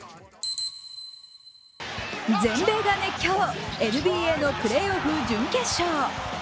全米が熱狂、ＮＢＡのプレーオフ準決勝。